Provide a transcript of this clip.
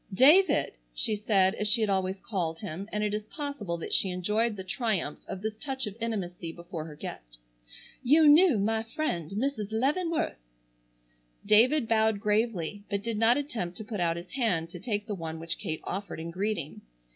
"David," she said, as she had always called him, and it is possible that she enjoyed the triumph of this touch of intimacy before her guest, "you knew my friend Mrs. Leavenworth!" David bowed gravely, but did not attempt to put out his hand to take the one which Kate offered in greeting.